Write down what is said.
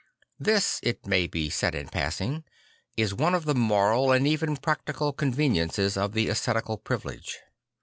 This, it may be said in passing, is one of the moral and even practical conven iences of the ascetical privilege.